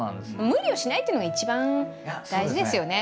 無理をしないっていうのが一番大事ですよね。